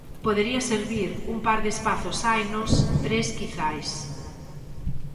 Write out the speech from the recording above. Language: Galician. Podería servir, un par de espazos hainos, tres quizais.